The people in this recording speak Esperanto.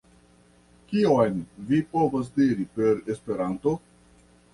Kion vi povas diri per Esperanto?